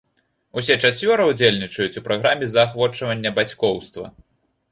Усе чацвёра ўдзельнічаюць у праграме заахвочвання бацькоўства.